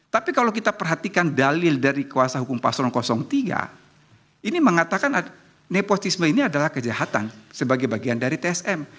tapi kalau kita perhatikan dalil dari kuasa hukum paslon tiga ini mengatakan nepotisme ini adalah kejahatan sebagai bagian dari tsm